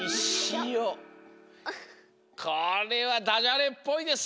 これはダジャレっぽいです。